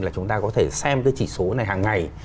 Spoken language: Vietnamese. là chúng ta có thể xem cái chỉ số này hàng ngày